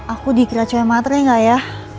aku dikira cewek matre nggak ya